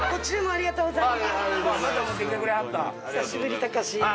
ありがとうございます。